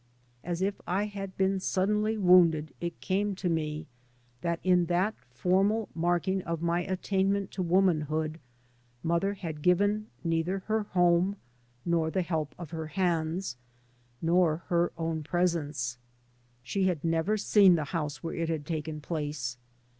As if I had been suddenly wounded it came to me that in that formal marking of my attainment to womanhood mother had given neither her home, nor the help of her hands, nor her own presence. She had never seen the house where it had taken place.